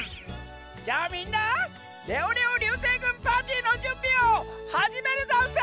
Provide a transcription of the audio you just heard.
じゃあみんなレオレオりゅうせいぐんパーティーのじゅんびをはじめるざんす！